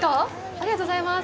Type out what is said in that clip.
ありがとうございます。